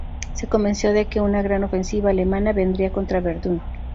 Se convenció de que una gran ofensiva alemana vendría contra Verdún.